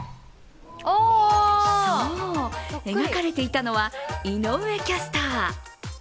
そう、描かれていたのは井上キャスター。